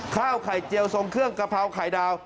ข้าวไข่เจียวทรงเครื่องกะเพราไข่ดาว